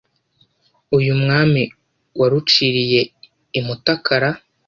Uyu Mwami waruciriye i Mutakara